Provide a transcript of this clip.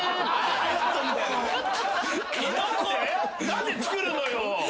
何で作るのよ！